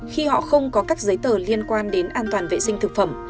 khi họ không có các giấy tờ liên quan đến an toàn vệ sinh thực phẩm